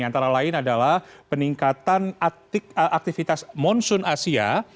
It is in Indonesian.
antara lain adalah peningkatan aktivitas monsoon asia